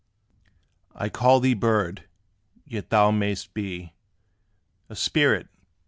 I call thee bird, yet thou may'st be A spirit!